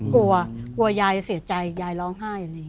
กลัวยายเสียใจยายร้องไห้